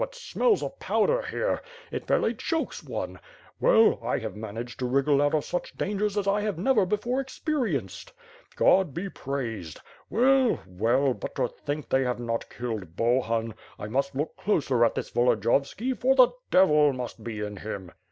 Ugh! Ugh! how it smells of powder here! It fairly chokes one! Well, I have managed to wriggle out of such dangers as I never before experienced. God be praised! Well, well, but to think they have not killed Bohun! I must look closer at this Volodiyovskd, for the devil must be in him."